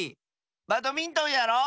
バドミントンやろう！